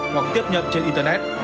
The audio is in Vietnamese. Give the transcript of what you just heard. hoặc tiếp nhận trên internet